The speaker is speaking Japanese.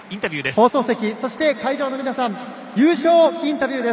放送席、会場の皆さん優勝インタビューです。